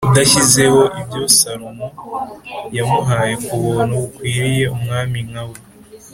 udashyizeho ibyo Salomo yamuhaye ku buntu bukwiriye umwami nka we